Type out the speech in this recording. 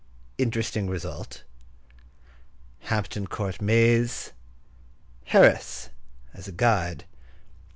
—Interesting result.—Hampton Court Maze.—Harris as a guide.